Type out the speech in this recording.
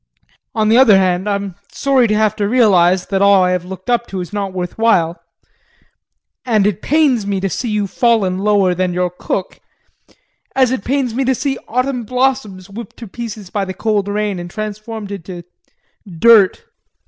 On the other hand, I'm sorry to have to realize that all that I have looked up to is not worth while, and it pains me to see you fallen lower than your cook as it pains me to see autumn blossoms whipped to pieces by the cold rain and transformed into dirt!